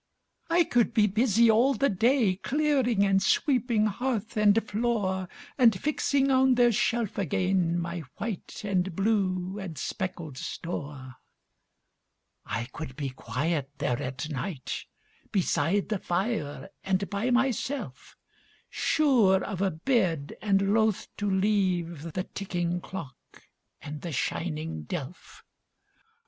I could be busy all the day Clearing and sweeping hearth and floor, And fixing on their shelf again My white and blue and speckled store! I could be quiet there at night Beside the fire and by myself, Sure of a bed and loth to leave The ticking clock and the shining delph!